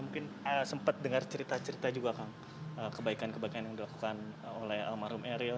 mungkin sempat dengar cerita cerita juga kang kebaikan kebaikan yang dilakukan oleh almarhum eril